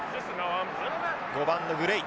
５番のグレイ。